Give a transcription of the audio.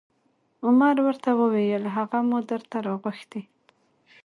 عمر ورته وویل: هغه مو درته راغوښتی